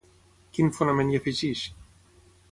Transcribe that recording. Quin fonament hi afegeix?